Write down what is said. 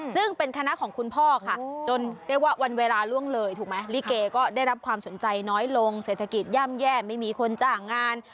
ซึ่งเป็นคณะของคุณพ่อค่ะจนเรียกว่าวันเวลาล่วงเลยถูกไหมลิเกก็ได้รับความสนใจน้อยลงเศรษฐกิจย่ำแย่ไม่มีคนจ้างงาน